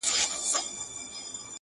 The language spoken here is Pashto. دغزل جامونه وېسي ،